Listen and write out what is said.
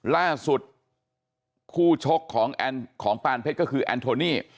ล่าสุดคู่ชกของปานเพชรก็คือแอนโทนี่